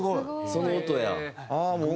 その音や。